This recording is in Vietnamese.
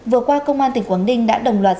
vừa qua công an tỉnh quảng ninh đã đồng loạt